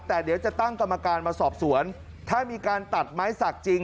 แต่เดี๋ยวจะตั้งกรรมการมาสอบสวนถ้ามีการตัดไม้สักจริง